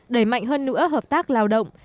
đẩy mạnh hơn nữa hợp tác lao động